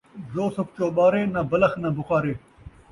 جو سکھ چوٻارے، ناں بلخ ناں بُخارے